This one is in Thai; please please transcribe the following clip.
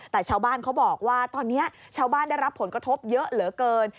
แต่ชาวบ้านเขาบอกว่าตอนนี้ชาวบ้านได้รับผลกระทบเยอะเหลือเกิน